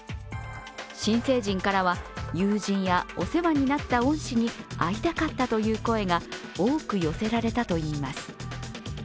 新成人からは、友人やお世話になった恩師に会いたかったという声が多く寄せられたといいます。